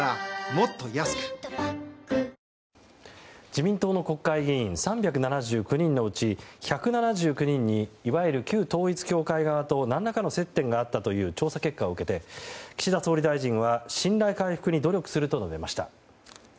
自民党の国会議員３７９人のうち１７９人にいわゆる旧統一教会側と何らかの接点があったという調査結果を受けて岸田総理大臣は信頼回復に努力すると述べました。